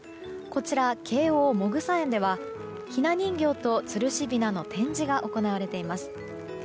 こちら、京王百草園ではひな人形とつるし雛の展示が行われています。